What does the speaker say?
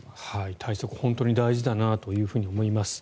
対策が本当に大事だなと思います。